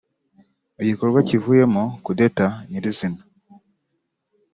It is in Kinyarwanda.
igikorwa kivuyemo kudeta nyirizina